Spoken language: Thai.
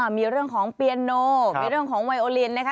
มีเรื่องของเปียโนมีเรื่องของไวโอลินนะคะ